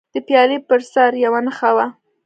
د پیالې پر سر یوه نښه وه.